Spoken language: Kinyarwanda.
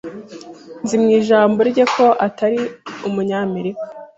Nzi mu ijambo rye ko atari Umunyamerika.